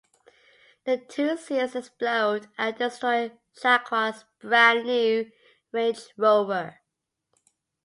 The two seals explode and destroy Jacquard's brand new Range Rover.